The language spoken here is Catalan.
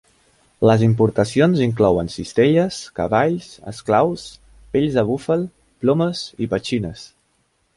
Les importacions inclouen cistelles, cavalls, esclaus, pells de búfal, plomes i petxines.